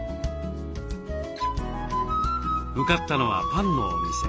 向かったのはパンのお店。